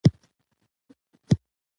دریابونه د افغانستان د اقلیم ځانګړتیا ده.